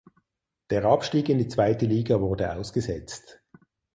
Der Abstieg in die zweite Liga wurde ausgesetzt.